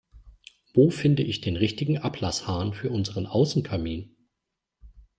Wo finde ich den richtigen Ablasshahn für unseren Außenkamin?